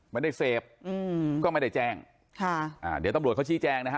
ไม่ได้เสพอืมก็ไม่ได้แจ้งค่ะอ่าเดี๋ยวตำรวจเขาชี้แจงนะฮะ